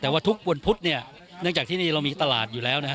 แต่ว่าทุกวันพุธเนี่ยเนื่องจากที่นี่เรามีตลาดอยู่แล้วนะฮะ